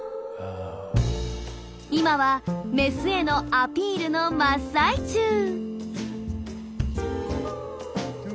今はメスへのアピールの真っ最中。